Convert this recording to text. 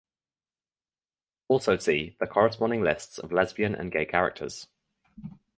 Also see the corresponding lists of lesbian and gay characters.